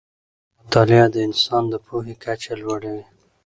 مطالعه د انسان د پوهې کچه لوړه وي